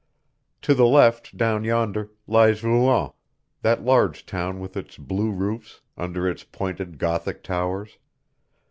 On the left, down yonder, lies Rouen, that large town with its blue roofs, under its pointed Gothic towers.